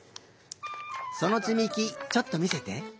そのつみきちょっとみせて。